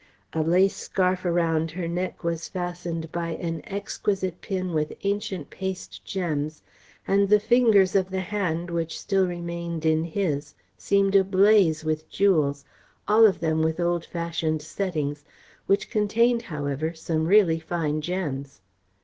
A lace scarf around her neck was fastened by an exquisite pin with ancient paste gems, and the fingers of the hand which still remained in his seemed ablaze with jewels, all of them with old fashioned settings, which contained, however, some really fine gems.